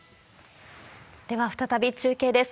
では再び中継です。